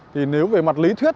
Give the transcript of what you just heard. thì nếu về mặt lý thuyết